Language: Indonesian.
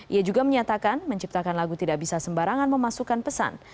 ia juga menyatakan menciptakan lagu tidak bisa sembarangan memasukkan pesan